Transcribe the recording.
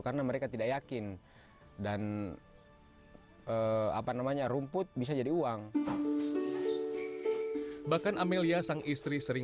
karena mereka tidak yakin dan apa namanya rumput bisa jadi uang bahkan amelia sang istri sering